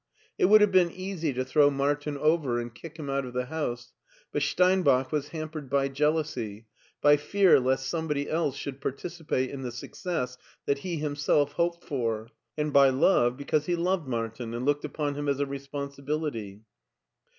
It would have been easy to throw Martin over, and kick him out of the house, but Steinbach was hampered by jealousy, by fear lest somebody else should participate in the success that he himself hoped for ; and by love, because he loved Martin and looked upon him as a responsibility.